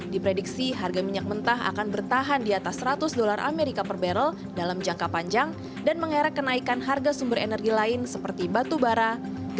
diprediksi harga minyak mentah akan bertahan di atas seratus dolar amerika per barrel dalam jangka panjang dan mengarah kenaikan harga sumber energi lain seperti batu bara gas serta minyak perang